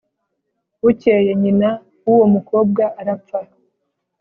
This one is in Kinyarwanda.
bukeye nyina w’uwo mukobwa arapfa.